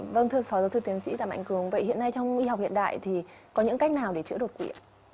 vâng thưa phó giáo sư tiến sĩ đàm mạnh cường vậy hiện nay trong y học hiện đại thì có những cách nào để chữa đột quỵ ạ